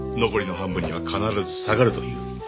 残りの半分には必ず下がると言う。